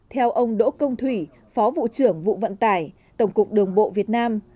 theo ông đỗ công thủy phó vụ trưởng vụ vận tải tổng cục đường bộ việt nam